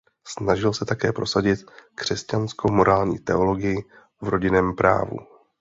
Snažil se také prosadit křesťanskou morální teologii v rodinném právu.